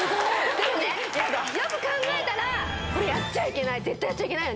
でもよく考えたらこれやっちゃいけない絶対やっちゃいけないよね。